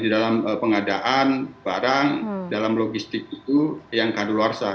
jadi dalam pengadaan barang dalam logistik itu yang keadaan luar saha